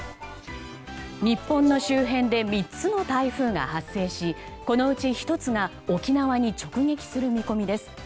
日本の周辺で３つの台風が発生しこのうち１つが沖縄に直撃する見込みです。